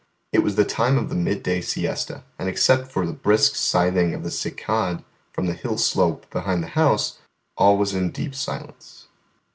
It was the time of the mid day siesta, and except for the brisk scything of the cicade from the hill slope behind the house, all was in deep silence.